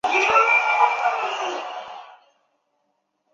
二型鳞毛蕨为鳞毛蕨科鳞毛蕨属下的一个种。